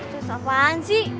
sukses apaan sih